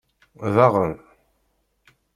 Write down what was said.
Daɣen.